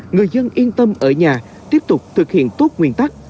người dân yên tâm ở nhà tiếp tục thực hiện tốt nguyên tắc